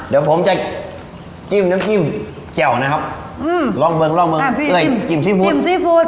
เดี๋ยวผมจะจิ้มน้ำจิ้มแจ่วนะครับลองเมิงจิ้มซีฟุต